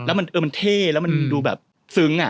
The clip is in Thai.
แล้วมันเท่แล้วมันดูแบบซึ้ง